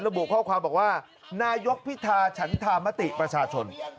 ระบุข้อความบอกว่านายกพิธาฉันธรรมติประชาชน